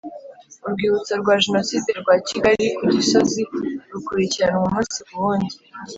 Urwibutso rwa Jenoside rwa Kigali ku Gisozi rukurikiranwa umunsi ku wundi